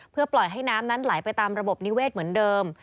เพื่อปล่อยให้น้ำนั้นไหลไปตามระบบนิเวศเหมือนเดิม